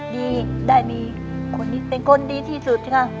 ดีได้มีคนนี้เป็นคนดีที่สุดค่ะ